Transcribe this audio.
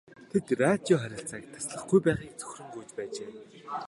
Тэд радио харилцааг таслахгүй байхыг цөхрөн гуйж байжээ.